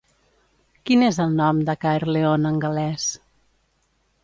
Quin és el nom de Caerleon en gal·lès?